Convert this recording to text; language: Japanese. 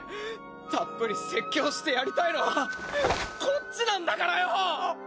たっぷり説教してやりたいのはこっちなんだからよ！